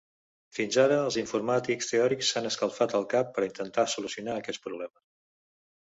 Fins ara, els informàtics teòrics s'han escalfat el cap per intentar solucionar aquest problema.